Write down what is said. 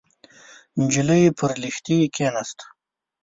نجلۍ پر لښتي کېناسته.